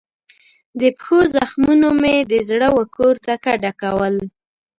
د پښو زخمونو مې د زړه وکور ته کډه کول